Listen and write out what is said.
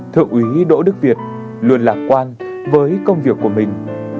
thượng úy đỗ đức việt luôn lạc quan với công việc của mình